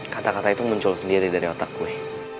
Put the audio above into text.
kata kata itu muncul sendiri dari otak gue